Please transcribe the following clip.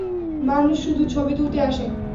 মানুষ শুধু ছবি তুলতে আসে।